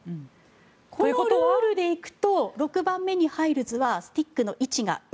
このルールで行くと６番目に入る図はスティックが上。